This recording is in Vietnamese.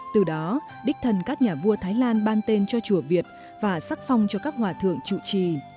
từ đó đích thân các nhà vua thái lan ban tên cho chùa việt và sắc phong cho các hòa thượng trụ trì